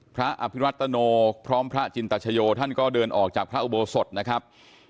พระอภิรัตโนพร้อมพระจินตชโยท่านก็เดินออกจากพระอุโบสถนะครับ